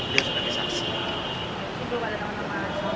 yang sudah disaksikan